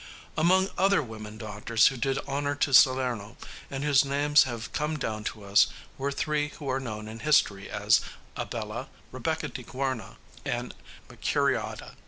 Among other women doctors who did honor to Salerno and whose names have come down to us were three who are known in history as Abella, Rebeca de Guarna and Mercuriade.